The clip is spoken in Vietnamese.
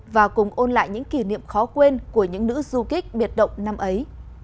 và cùng ôn lại những kỷ niệm khó quên của những nữ du kích biệt động năm ấy